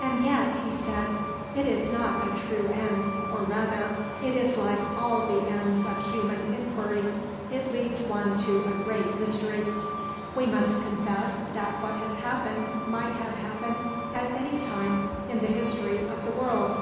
"And yet," he said, "it is not a true end, or rather, it is like all the ends of human inquiry, it leads one to a great mystery. We must confess that what has happened might have happened at any time in the history of the world.